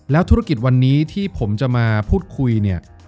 ธุรกิจวันนี้ที่ผมจะมาพูดคุยเนี่ย